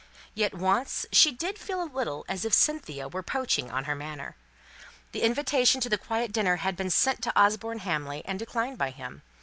Yet once she did feel a little as if Cynthia were poaching on her manor. The invitation to the quiet dinner had been sent to Osborne Hamley, and declined by him.